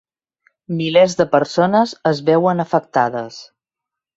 Milers de persones es veuen afectades.